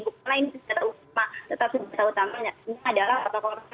bukanlah ini secara utama tetapi bisa utamanya ini adalah protokol kesehatan